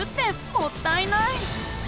もったいない。